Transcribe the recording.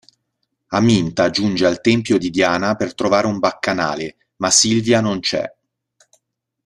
Aminta giunge al tempio di Diana per trovare un baccanale, ma Sylvia non c'è.